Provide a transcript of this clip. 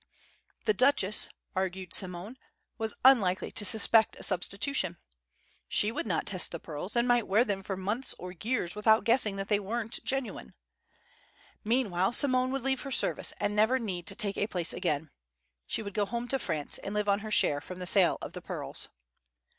The Duchess argued Simone was unlikely to suspect a substitution. She would not test the pearls, and might wear them for months or years without guessing that they weren't genuine. Meanwhile, Simone would leave her service, and never need to take a place again. She would go home to France and live on her share from the sale of the pearls.